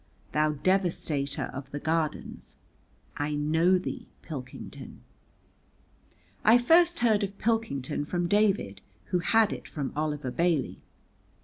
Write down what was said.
Thou devastator of the Gardens, I know thee, Pilkington. I first heard of Pilkington from David, who had it from Oliver Bailey.